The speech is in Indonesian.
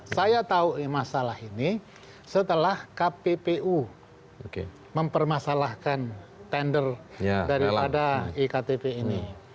saya tahu masalah ini setelah kppu mempermasalahkan tender daripada iktp ini